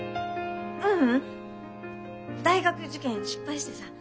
ううん大学受験失敗してさ。